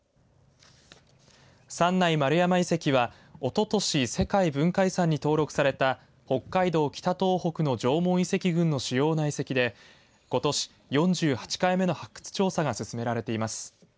三内丸山遺跡はおととし世界文化遺産に登録された北海道・北東北の縄文遺跡群の主要な遺跡でことし４８回目の発掘調査が進められています。